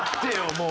もう。